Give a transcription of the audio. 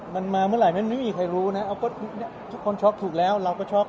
มันมาเมื่อไหร่มันไม่มีใครรู้นะทุกคนช็อกถูกแล้วเราก็ช็อก